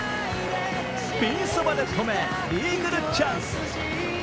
ピンそばで止めイーグルチャンス。